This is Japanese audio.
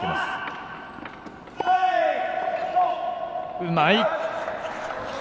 うまい！